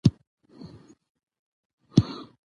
خو دانو ته یې زړه نه سو ټینګولای